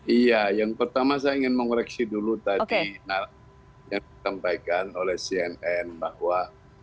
iya yang pertama saya ingin mengoreksi dulu tadi yang disampaikan oleh cnn bahwa